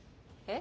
え？